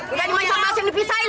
udah dimasukin dipisahin